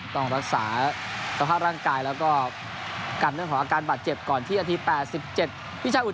ต้องรักษาสภาพร่างกายแล้วก็กันเรื่องของอาการบาดเจ็บก่อนที่นาที๘๗วิชาอุท